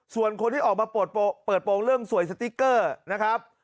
ส่วนคนที่ออกมาเปิดโปรงเรื่องสวยสติ๊กเกอร์นะครับ